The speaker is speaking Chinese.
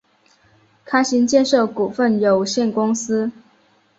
开心建设股份有限公司